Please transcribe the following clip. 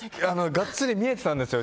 がっつり見えてたんですよ